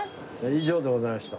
以上でございました。